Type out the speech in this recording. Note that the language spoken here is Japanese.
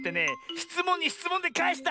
しつもんにしつもんでかえした！